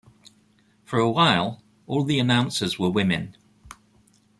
For a while, all the announcers were women.